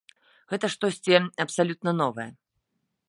Гэта штосьці абсалютна новае.